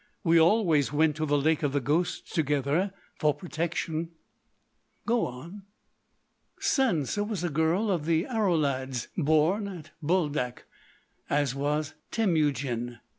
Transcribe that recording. We always went to the Lake of the Ghosts together—for protection——" "Go on!" "Sansa was a girl of the Aroulads, born at Buldak—as was Temujin.